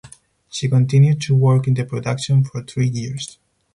She continued to work in the production for three years.